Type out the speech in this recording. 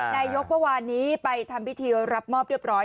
นายกเมื่อวานนี้ไปทำพิธีรับมอบเรียบร้อย